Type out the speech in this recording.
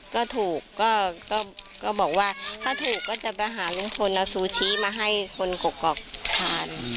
ก็ถูกก็บอกว่าถ้าถูกก็จะไปหาลุงพลเอาซูชิมาให้คนกกอกทาน